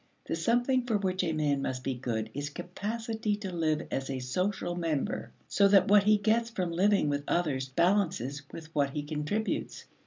The something for which a man must be good is capacity to live as a social member so that what he gets from living with others balances with what he contributes.